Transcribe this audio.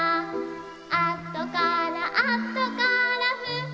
「あとからあとからふってきて」